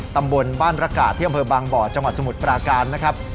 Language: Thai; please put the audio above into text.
ตำบลบ้านระกาศที่อำเภอบางบ่อจังหวัดสมุทรปราการนะครับ